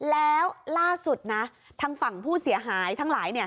แล้วล่าสุดนะทางฝั่งผู้เสียหายทั้งหลาย